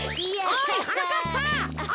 おいはなかっぱ！